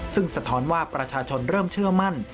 ซึ่งสะท้อนว่าประชาชนเริ่มเชื่อมั่น